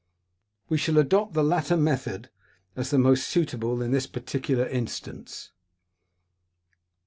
We shall adopt the latter method, as the most suitable in this peculiar instance.